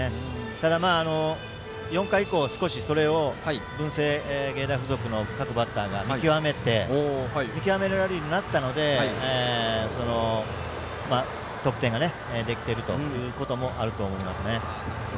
ただ、４回以降少しそれを文星芸大付属の各バッターが見極められるようになったので得点ができているということもあると思います。